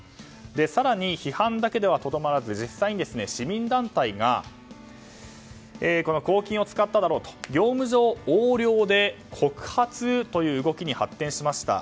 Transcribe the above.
更に、批判だけではとどまらず実際に市民団体が公金を使っただろうと業務上横領で告発という動きに発展しました。